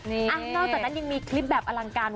นอกจากนั้นยังมีคลิปแบบอลังการ